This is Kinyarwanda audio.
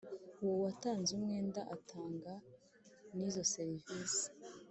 uwo watanze umwenda atanga n izo serivisi